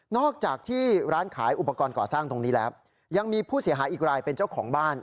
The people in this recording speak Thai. อกจากที่ร้านขายอุปกรณ์ก่อสร้างตรงนี้แล้วยังมีผู้เสียหายอีกรายเป็นเจ้าของบ้าน